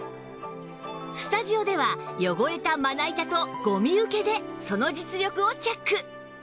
スタジオでは汚れたまな板とゴミ受けでその実力をチェック！